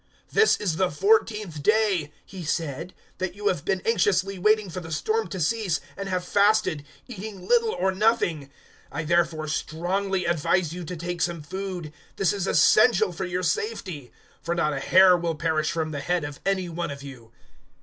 "This is the fourteenth day," he said, "that you have been anxiously waiting for the storm to cease, and have fasted, eating little or nothing. 027:034 I therefore strongly advise you to take some food. This is essential for your safety. For not a hair will perish from the head of any one of you."